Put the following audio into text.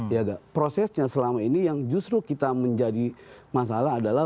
ya prosesnya selama ini yang justru kita menjadi masalah adalah